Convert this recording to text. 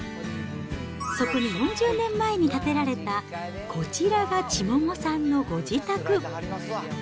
そこに４０年前に建てられた、こちらが千桃さんのご自宅。